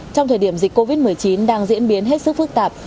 trong thời điểm dịch covid một mươi chín đang diễn biến hết sức phức tạp